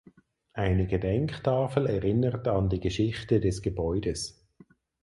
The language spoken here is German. Eine Gedenktafel erinnert an die Geschichte des Gebäudes.